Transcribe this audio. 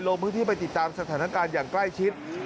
ลงพื้นที่ไปติดตามสถานการณ์อย่างใกล้ชิด